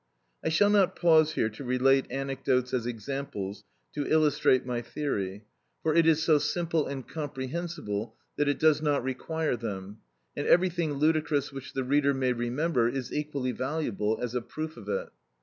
I shall not pause here to relate anecdotes as examples to illustrate my theory; for it is so simple and comprehensible that it does not require them, and everything ludicrous which the reader may remember is equally valuable as a proof of it.